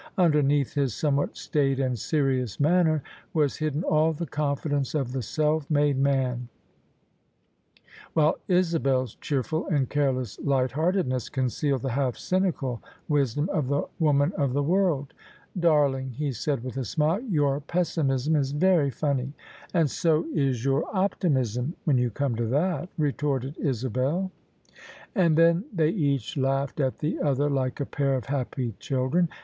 Underneath his somewhat staid and serious manner was hidden all the confidence of the self made man: while Isabel's cheerful and careless light heartedness concealed the half cynical wisdom of the woman of the world. " Darling," he said with a smile; " your pessimism is very funny." " And so is your optimism, when you come to that," retorted Isabel. OF ISABEL CARNABY And then they each laughed at the other like a pair of happy children.